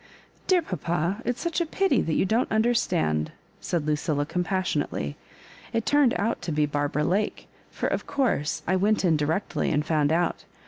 " Dear papa, it's such a pity that you don't understand," said Lucilla, compassionately. " It turned out to be Barbara Lake; for, of course, I went in directly, and found out.